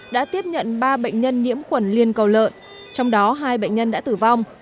đã tiếp nhận ba bệnh nhân nhiễm khuẩn liên cầu lợn trong đó hai bệnh nhân đã tử vong